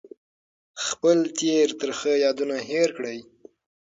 خپل تېر ترخه یادونه هېر کړئ.